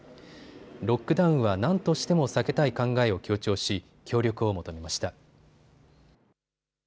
ロックダウンは何としても避けたい考えを強調し、協力を求めました。